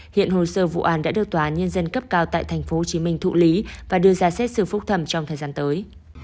hiện hồ sơ vụ án đã được tòa án nhân dân cấp cao tại tp hcm thụ lý và đưa ra xét xử phúc thẩm trong thời gian tới